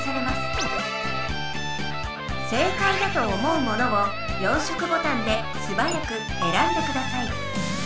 正解だと思うものを４色ボタンですばやくえらんでください。